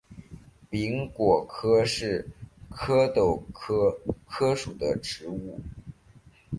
柄果柯是壳斗科柯属的植物。